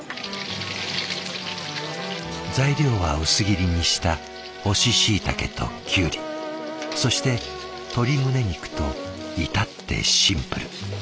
材料は薄切りにした干しシイタケとキュウリそして鶏胸肉と至ってシンプル。